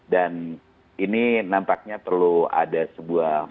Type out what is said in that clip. dan ini nampaknya perlu ada sebuah formasi